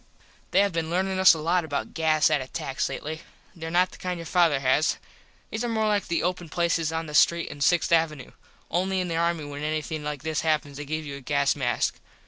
They have been learnin us a lot about gas at attacks lately. These are not the kind your father has. These are more like the open places in the street on 6th avenoo. Only in the army when anything like this happens they give you a gas mask.